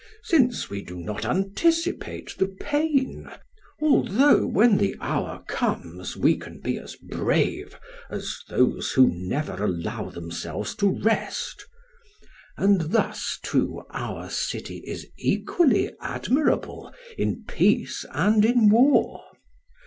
Since we do not anticipate the pain, although when the hour comes, we can be as brave as those who never allow themselves to rest; and thus too our city is equally admirable in peace and in war.